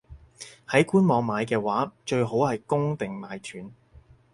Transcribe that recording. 喺官網買嘅話，最好係供定係買斷?